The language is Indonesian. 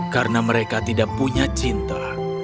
karena mereka tidak punya cinta